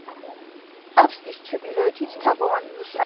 აბსიდის ჩრდილოეთით თაღოვანი ნიშია.